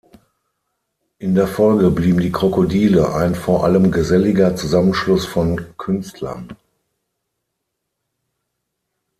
In der Folge blieben die Krokodile ein vor allem geselliger Zusammenschluss von Künstlern.